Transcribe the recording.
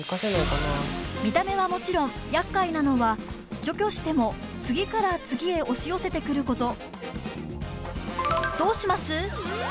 見た目はもちろんやっかいなのは除去しても次から次へ押し寄せてくること。